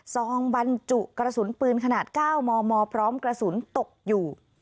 ซองบรรจุกระสุนปืนขนาด๙มมพร้อมกระสุนตกอยู่